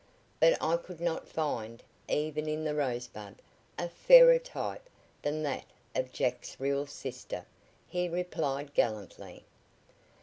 "But I could not find, even in the Rosebud, a fairer type than that of Jack's real sister," he replied gallantly.